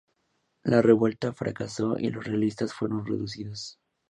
La revuelta fracasó y los realistas fueron reducidos.